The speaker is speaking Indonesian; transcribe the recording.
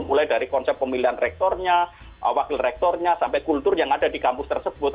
mulai dari konsep pemilihan rektornya wakil rektornya sampai kultur yang ada di kampus tersebut